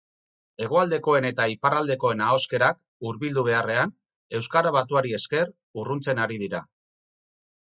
Hegoaldekoen eta iparraldekoen ahoskerak, hurbildu beharrean, euskara batuari esker, urruntzen ari dira.